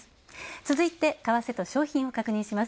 続いて為替と商品を確認します。